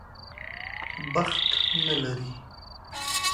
بخت نه لري.